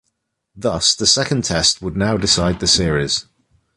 Thus, the second Test would now decide the series.